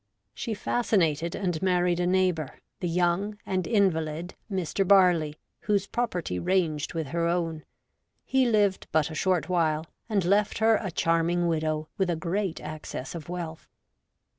She fascinated and married a neighbour, the young and invalid Mr. Barley, whose property ranged with her own. He lived but a short while, and left her a charming widow with a great access of wealth.